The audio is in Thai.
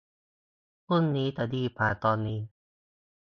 พรุ่งนี้จะดีกว่าตอนนี้